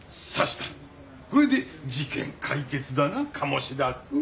これで事件解決だな鴨志田君。